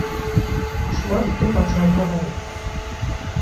І шмат хто пачаў гаварыць.